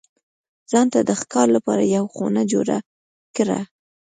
ځان ته د ښکار لپاره یوه خونه جوړه کړه.